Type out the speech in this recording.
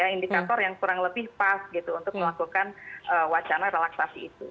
indikator yang kurang lebih pas gitu untuk melakukan wacana relaksasi itu